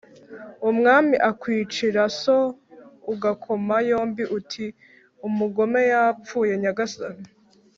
Umwami akwicira so ugakoma yombi uti: umugome yapfuye nyagasani.